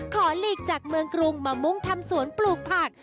หลีกจากเมืองกรุงมามุ่งทำสวนปลูกผัก